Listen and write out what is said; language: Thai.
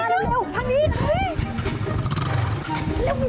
เฮ้ยเร็วมันจะบอก